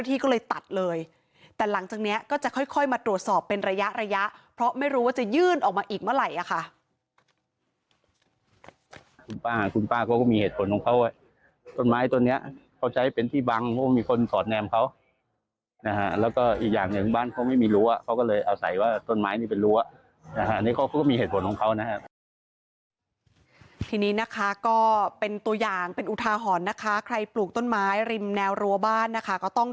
อีกเมื่อไหร่อ่ะค่ะคุณป้าคุณป้าก็มีเหตุผลของเขาไว้ต้นไม้ตัวเนี้ยเขาใช้เป็นที่บังเพราะมีคนสอดแนมเขานะฮะแล้วก็อีกอย่างหนึ่งบ้านเขาไม่มีรั้วเขาก็เลยเอาใส่ว่าต้นไม้นี่เป็นรั้วนะฮะอันนี้เขาก็มีเหตุผลของเขานะฮะทีนี้นะคะก็เป็นตัวอย่างเป็นอุทาหรณ์นะคะใครปลูกต้นไม้ริมแนวรัวบ้านนะคะก็ต้อง